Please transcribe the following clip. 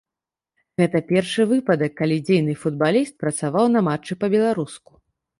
Гэта першы выпадак, калі дзейны футбаліст працаваў на матчы па-беларуску.